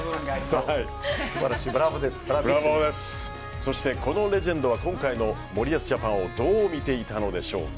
そして、このレジェンドは今回の森保ジャパンをどう見ていたのでしょうか。